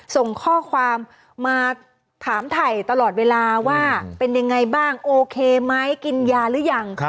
ส่งข้อความมาถามถ่ายตลอดเวลาว่าเป็นยังไงบ้างโอเคไหมกินยาหรือยัง